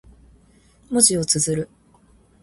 文字を綴る。